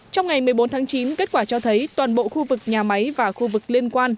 trong ngày một mươi bốn tháng chín kết quả cho thấy toàn bộ khu vực nhà máy và khu vực liên quan